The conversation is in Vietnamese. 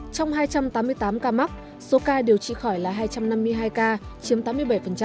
trong hai trăm tám mươi tám ca mắc số ca điều trị khỏi là hai trăm năm mươi hai ca chiếm tám mươi bảy